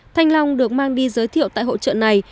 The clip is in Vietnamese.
thanh long được mang đi giới thiệu tại hội trợ này